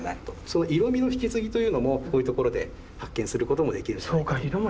その色みの引き継ぎというのもこういうところで発見することもできるんじゃないかと思います。